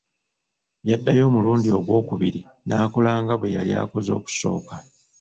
Yaddayo omulundi ogw'okubiri n'akola nga bwe yali akoze okusooka.